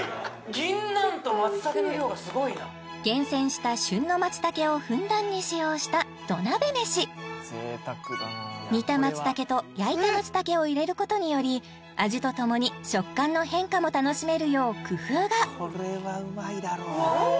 銀杏と松茸の量がすごいな厳選した旬の松茸をふんだんに使用した土鍋飯煮た松茸と焼いた松茸を入れることにより味とともに食感の変化も楽しめるよう工夫が・お！